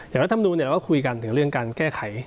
แต่รัฐมนุษย์เราก็คุยกันถึงเรื่องการแก้ไข